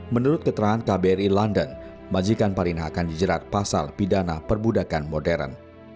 menurut keterangan kbri london majikan parina akan dijerat pasal pidana perbudakan modern